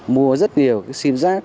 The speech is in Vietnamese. mua rất nhiều cái sim rác